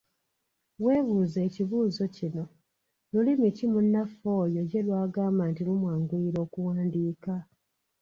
Weebuuze ekibuuzo kino, lulimi ki munnaffe oyo ye lw'agamba nti lumwanguyira okuwandiika?